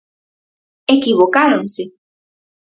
Equivocáronse.